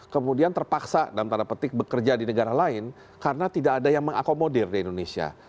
kemudian terpaksa dalam tanda petik bekerja di negara lain karena tidak ada yang mengakomodir di indonesia